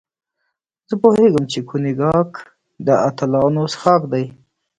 زه پوهېږم چې کونیګاک د اتلانو څښاک دی.